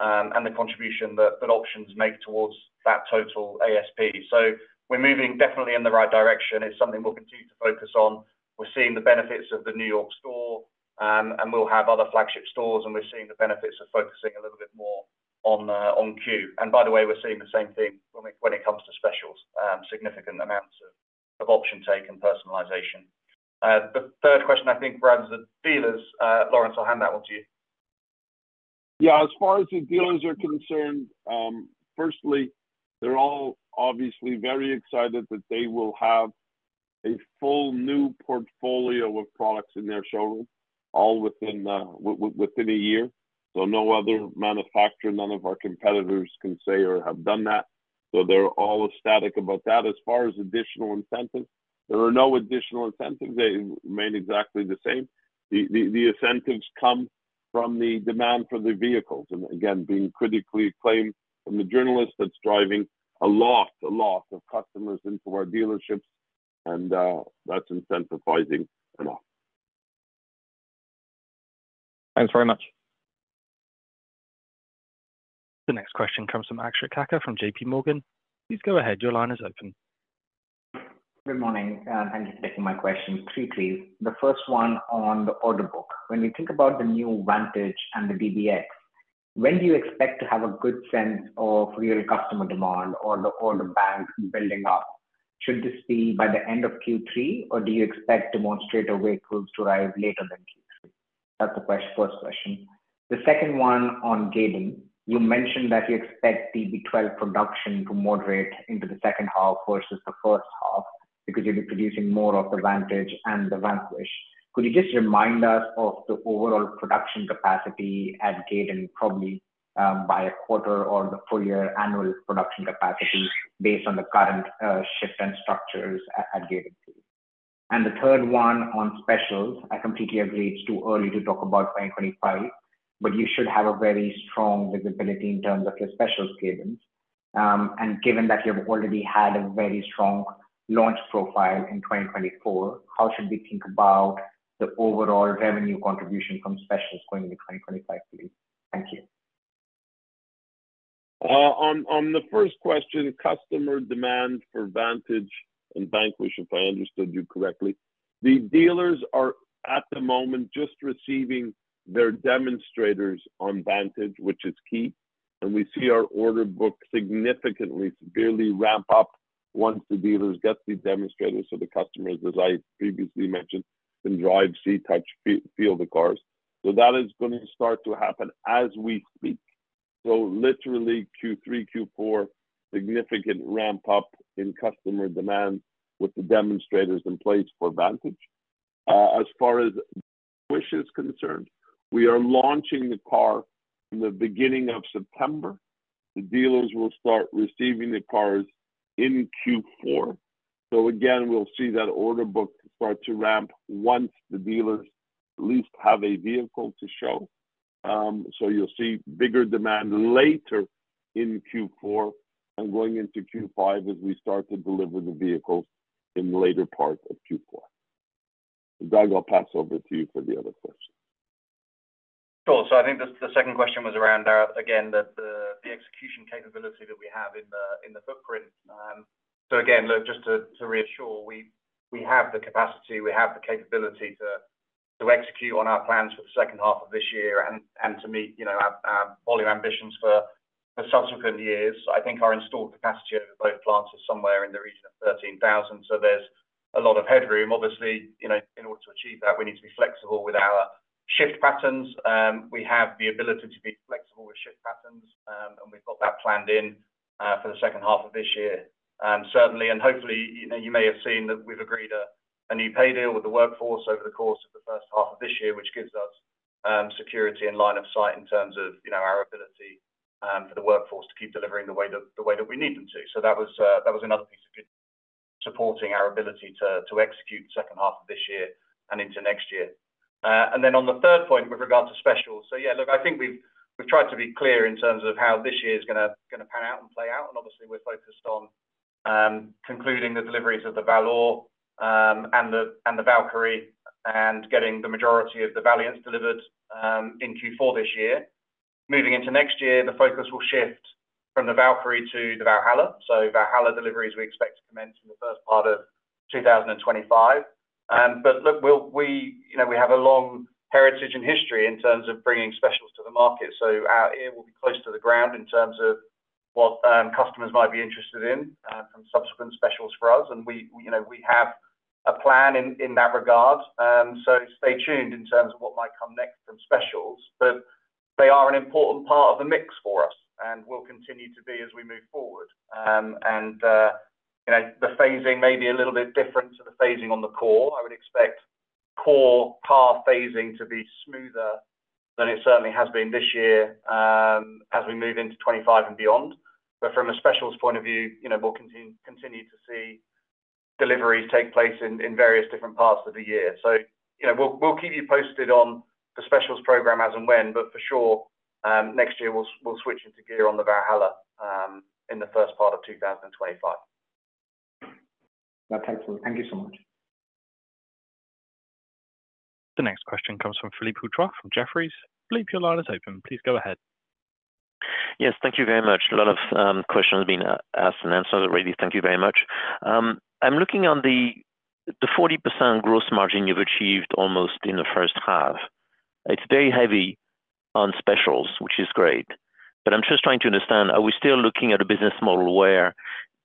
B: and the contribution that options make towards that total ASP. So we're moving definitely in the right direction. It's something we'll continue to focus on. We're seeing the benefits of the New York store, and we'll have other flagship stores, and we're seeing the benefits of focusing a little bit more on Q. And by the way, we're seeing the same thing when it comes to specials, significant amounts of option take and personalization. The third question, I think, turns to the dealers. Lawrence, I'll hand that one to you.
A: Yeah. As far as the dealers are concerned, firstly, they're all obviously very excited that they will have a full new portfolio of products in their showroom all within a year. So no other manufacturer, none of our competitors can say or have done that. So they're all ecstatic about that. As far as additional incentives, there are no additional incentives. They remain exactly the same. The incentives come from the demand for the vehicles. And again, being critically acclaimed from the journalists, that's driving lots of custoers into our dealerships, and that's incentivizing enough.
C: Thanks very much. The next question comes from Akshay Katkar from JP Morgan. Please go ahead. Your line is open.
H: Good morning. Thank you for taking my question. Three questions. The first one on the order book. When you think about the new Vantage and the DBX, when do you expect to have a good sense of real customer demand or the order book building up? Should this be by the end of Q3, or do you expect demonstrator vehicles to arrive later than Q3? That's the first question. The second one on Gaydon, you mentioned that you expect DB12 production to moderate into the second half versus the first half because you'll be producing more of the Vantage and the Vanquish. Could you just remind us of the overall production capacity at Gaydon probably by a quarter or the full-year annual production capacity based on the current shift and structures at Gaydon? And the third one on specials, I completely agree it's too early to talk about 2025, but you should have a very strong visibility in terms of your specials cadence. And given that you've already had a very strong launch profile in 2024, how should we think about the overall revenue contribution from specials going into 2025, please? Thank you.
A: On the first question, customer demand for Vantage and Vanquish, if I understood you correctly, the dealers are at the moment just receiving their demonstrators on Vantage, which is key. We see our order book significantly, severely ramp up once the dealers get the demonstrators to the customers, as I previously mentioned, can drive, see, touch, feel the cars. So that is going to start to happen as we speak. So literally Q3, Q4, significant ramp-up in customer demand with the demonstrators in place for Vantage. As far as Vanquish is concerned, we are launching the car in the beginning of September. The dealers will start receiving the cars in Q4. So again, we'll see that order book start to ramp once the dealers at least have a vehicle to show. So you'll see bigger demand later in Q4 and going into Q5 as we start to deliver the vehicles in the later part of Q4. Doug, I'll pass over to you for the other questions.
B: Sure. So I think the second question was around, again, the execution capability that we have in the footprint. So again, just to reassure, we have the capacity. We have the capability to execute on our plans for the second half of this year and to meet our volume ambitions for subsequent years. I think our installed capacity over both plants is somewhere in the region of 13,000. So there's a lot of headroom. Obviously, in order to achieve that, we need to be flexible with our shift patterns. We have the ability to be flexible with shift patterns, and we've got that planned in for the second half of this year, certainly. Hopefully, you may have seen that we've agreed a new pay deal with the workforce over the course of the first half of this year, which gives us security and line of sight in terms of our ability for the workforce to keep delivering the way that we need them to. So that was another piece of supporting our ability to execute the second half of this year and into next year. Then on the third point with regard to specials, so yeah, look, I think we've tried to be clear in terms of how this year is going to pan out and play out. And obviously, we're focused on concluding the deliveries of the Valor and the Valkyrie and getting the majority of the Valiants delivered in Q4 this year. Moving into next year, the focus will shift from the Valkyrie to the Valhalla. So Valhalla deliveries we expect to commence in the first part of 2025. But look, we have a long heritage and history in terms of bringing specials to the market. So our ear will be close to the ground in terms of what customers might be interested in from subsequent specials for us. And we have a plan in that regard. So stay tuned in terms of what might come next from specials. But they are an important part of the mix for us, and we'll continue to be as we move forward. And the phasing may be a little bit different to the phasing on the core. I would expect core car phasing to be smoother than it certainly has been this year as we move into 2025 and beyond. But from a specials point of view, we'll continue to see deliveries take place in various different parts of the year. So we'll keep you posted on the specials program as and when. But for sure, next year, we'll switch into gear on the Valhalla in the first part of 2025.
C: That's excellent. Thank you so much. The next question comes from Philippe Houchois from Jefferies. Philippe, your line is open. Please go ahead.
I: Yes. Thank you very much. A lot of questions have been asked and answered. Thank you very much. I'm looking on the 40% gross margin you've achieved almost in the first half. It's very heavy on specials, which is great. But I'm just trying to understand, are we still looking at a business model where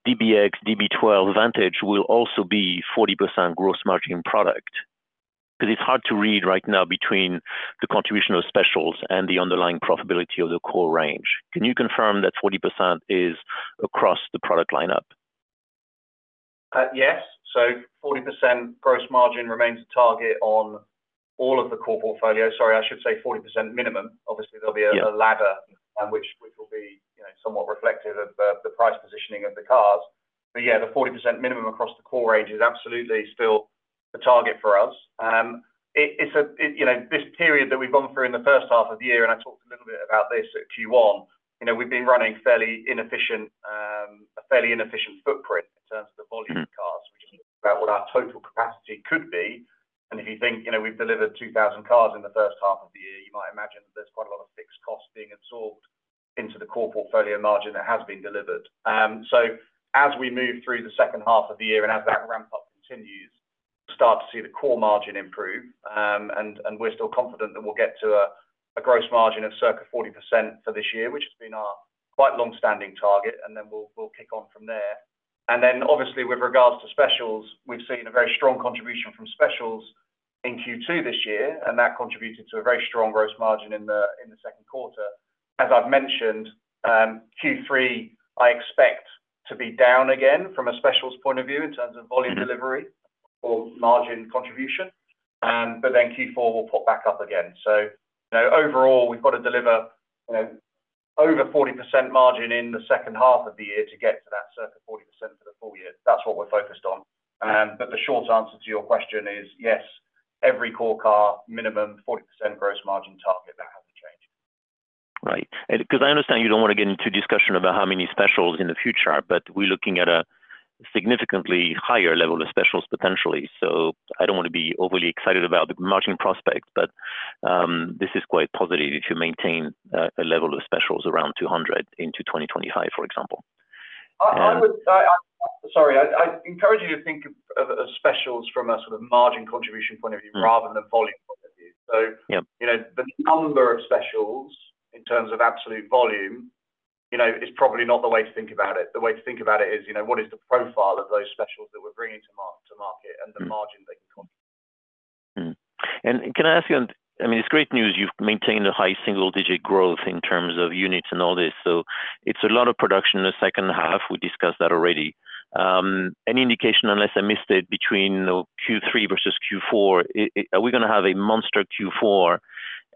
I: DBX, DB12, Vantage will also be 40% gross margin product? Because it's hard to read right now between the contribution of specials and the underlying profitability of the core range. Can you confirm that 40% is across the product lineup?
A: Yes. So 40% gross margin remains a target on all of the core portfolio. Sorry, I should say 40% minimum. Obviously, there'll be a ladder, which will be somewhat reflective of the price positioning of the cars. But yeah, the 40% minimum across the core range is absolutely still the target for us. This period that we've gone through in the first half of the year, and I talked a little bit about this at Q1, we've been running a fairly inefficient footprint in terms of the volume of cars. We just think about what our total capacity could be. If you think we've delivered 2,000 cars in the first half of the year, you might imagine that there's quite a lot of fixed costs being absorbed into the core portfolio margin that has been delivered. So as we move through the second half of the year and as that ramp-up continues, we'll start to see the core margin improve. We're still confident that we'll get to a gross margin of circa 40% for this year, which has been our quite long-standing target. Then we'll kick on from there. Obviously, with regards to specials, we've seen a very strong contribution from specials in Q2 this year, and that contributed to a very strong gross margin in the second quarter. As I've mentioned, Q3, I expect to be down again from a specials point of view in terms of volume delivery or margin contribution. But then Q4, we'll pop back up again. So overall, we've got to deliver over 40% margin in the second half of the year to get to that circa 40% for the full year. That's what we're focused on. But the short answer to your question is yes, every core car, minimum 40% gross margin target. That hasn't changed.
I: Right. Because I understand you don't want to get into discussion about how many specials in the future, but we're looking at a significantly higher level of specials potentially. So I don't want to be overly excited about the margin prospect, but this is quite positive if you maintain a level of specials around 200 into 2025, for example.
A: Sorry. I'd encourage you to think of specials from a sort of margin contribution point of view rather than a volume point of view. So the number of specials in terms of absolute volume is probably not the way to think about it. The way to think about it is what is the profile of those specials that we're bringing to market and the margin they can contribute?
I: And can I ask you? I mean, it's great news. You've maintained a high single-digit growth in terms of units and all this. So it's a lot of production in the second half. We discussed that already. Any indication, unless I missed it, between Q3 versus Q4? Are we going to have a monster Q4?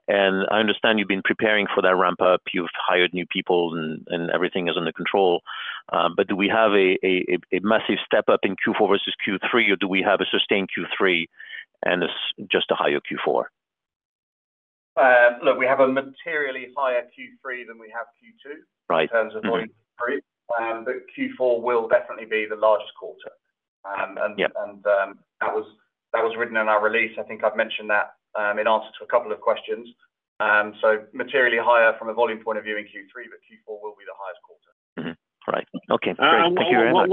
I: And I understand you've been preparing for that ramp-up. You've hired new people, and everything is under control. But do we have a massive step-up in Q4 versus Q3, or do we have a sustained Q3 and just a higher Q4?
A: Look, we have a materially higher Q3 than we have Q2 in terms of volume delivery. But Q4 will definitely be the largest quarter. And that was written in our release. I think I've mentioned that in answer to a couple of questions. So materially higher from a volume point of view in Q3, but Q4 will be the highest quarter. Right.
I: Okay. Great. Thank you very much.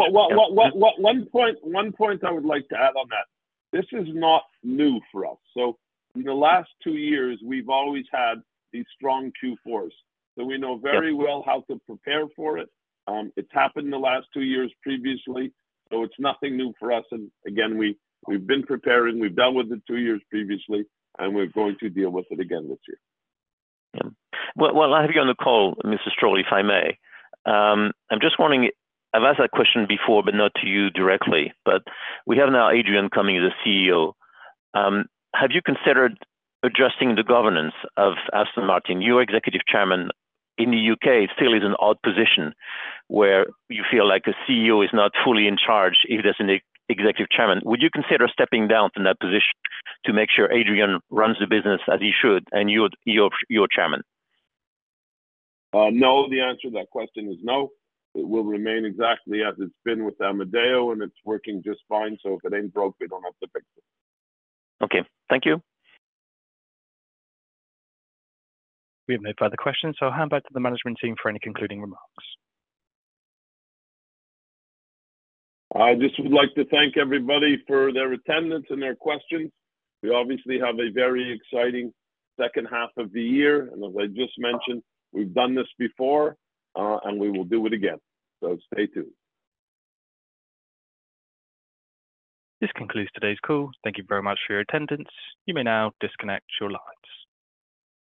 B: One point I would like to add on that. This is not new for us. So in the last two years, we've always had these strong Q4s. So we know very well how to prepare for it. It's happened in the last two years previously. So it's nothing new for us. And again, we've been preparing. We've dealt with it two years previously, and we're going to deal with it again this year.
I: Yeah. Well, I have you on the call, Mr. Stroll, if I may. I'm just wanting, I've asked that question before, but not to you directly. But we have now Adrian Hallmark, the CEO. Have you considered adjusting the governance of Aston Martin? Your executive chairman in the UK still is in an odd position where you feel like a CEO is not fully in charge if there's an executive chairman. Would you consider stepping down from that position to make sure Adrian runs the business as he should and you're chairman?
A: No. The answer to that question is no. It will remain exactly as it's been with Amedeo, and it's working just fine. So if it ain't broke, we don't have to fix it.
I: Okay. Thank you.
C: We have no further questions. I'll hand back to the management team for any concluding remarks.
A: I just would like to thank everybody for their attendance and their questions. We obviously have a very exciting second half of the year. And as I just mentioned, we've done this before, and we will do it again. So stay tuned.
C: This concludes today's call. Thank you very much for your attendance. You may now disconnect your lines.